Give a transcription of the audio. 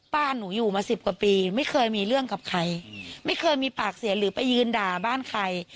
บ้านหนูอยู่มาสิบกว่าปีไม่เคยมีเรื่องกับใครไม่เคยมีปากเสียหรือไปยืนด่าบ้านใคร